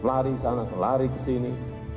melari sana melari ke sini